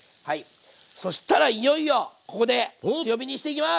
そしたらいよいよここで強火にしていきます！